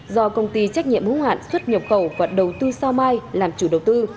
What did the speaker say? do công ty trách nhiệm hữu hạn xuất nhập khẩu và đầu tư sao mai làm chủ đầu tư